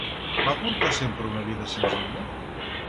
Va portar sempre una vida senzilla?